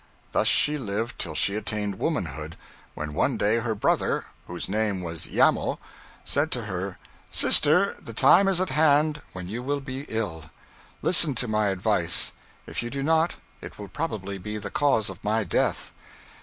Thus she lived till she attained womanhood, when one day her brother, whose name was Iamo, said to her: 'Sister, the time is at hand when you will be ill. Listen to my advice. If you do not, it will probably be the cause of my death.